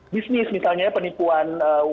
bisnis misalnya penipuan